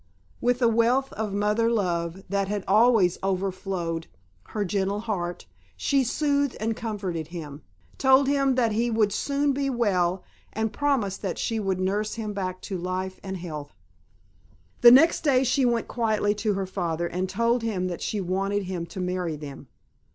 With the wealth of mother love that had always overflowed her gentle heart she soothed and comforted him, told him that he would soon be well, and promised that she would nurse him back to life and health. The next day she went quietly to her father and told him that she wanted him to marry them.